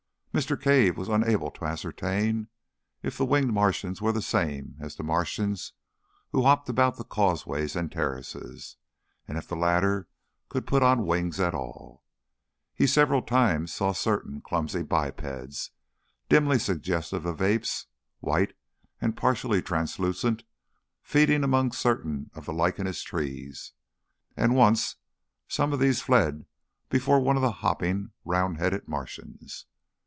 Mr. Cave was unable to ascertain if the winged Martians were the same as the Martians who hopped about the causeways and terraces, and if the latter could put on wings at will. He several times saw certain clumsy bipeds, dimly suggestive of apes, white and partially translucent, feeding among certain of the lichenous trees, and once some of these fled before one of the hopping, round headed Martians.